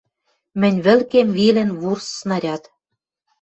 Мӹнь вӹлкем вилӹн вурс снаряд.